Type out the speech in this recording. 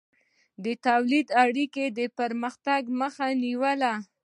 تولیدي اړیکې د پرمختګ مخه نیوله.